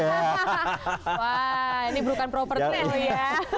wah ini bukan proper trend ya